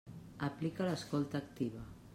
Aplica l'escolta activa.